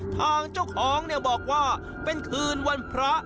ทางเจ้าของเนี่ยบอกว่าเป็นคืนวันพระ